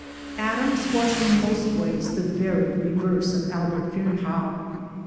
Adams was in most ways the very reverse of Albert Fearnehough.